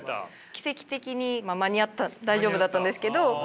奇跡的に間に合った大丈夫だったんですけど。